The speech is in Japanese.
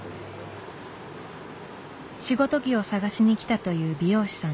仕事着を探しにきたという美容師さん。